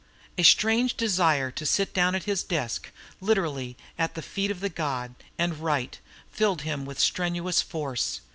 A strange desire to sit down at his desk literally at the feet of the god and write, filled him with strenuous force.